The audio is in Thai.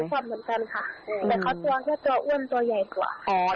ไม่รู้เรื่องเหมือนกันค่ะแต่เขาตัวอ้วนตัวใหญ่กว่า